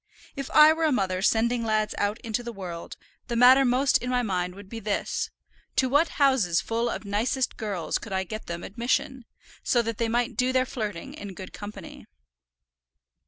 If I were a mother sending lads out into the world, the matter most in my mind would be this, to what houses full of nicest girls could I get them admission, so that they might do their flirting in good company.